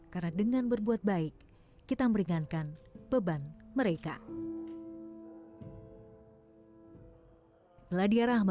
karena dengan berbuat baik kita meringankan beban mereka